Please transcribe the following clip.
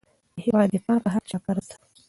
د هېواد دفاع په هر چا فرض ده.